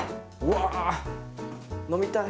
わ飲みたい！